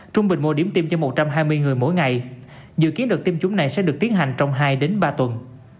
trung bình mỗi điểm tiêm cho một trăm hai mươi người mỗi ngày dự kiến đợt tiêm chủng này sẽ được tiến hành trong hai đến ba tuần